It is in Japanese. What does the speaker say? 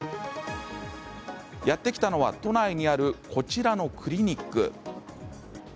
やって来たのは都内にあるこちらのクリニック。